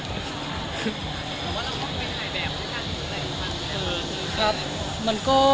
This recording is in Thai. ผมว่าเราก็ไม่ใช่แบบท่านอีกเวลา